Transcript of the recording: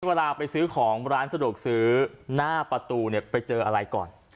เวลาไปซื้อของร้านสะดวกซื้อหน้าประตูเนี่ยไปเจออะไรก่อน